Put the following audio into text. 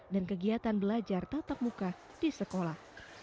dan kegiatan belajar tatap muka di sekolah